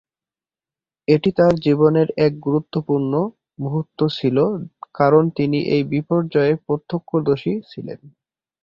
এটি তাঁর জীবনের এক গুরুত্বপূর্ণ মুহূর্ত ছিল কারণ তিনি এই বিপর্যয়ের প্রত্যক্ষদর্শী ছিলেন।